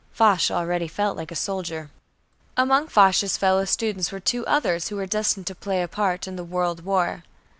Foch already felt like a soldier. Among Foch's fellow students were two others who were destined to play a part in the World War.